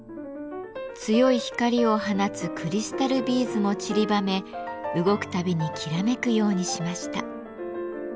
強い光を放つクリスタルビーズもちりばめ動くたびにきらめくようにしました。